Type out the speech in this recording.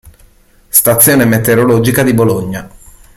Stazione meteorologica di Bologna